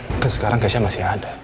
mungkin sekarang cashnya masih ada